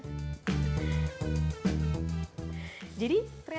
jadi ternyata ini sudah cukup